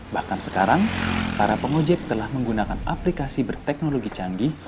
bahkan sekarang para pengojek telah menggunakan aplikasi berteknologi canggih